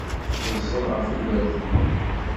Yeẓẓel ɣef ugertil.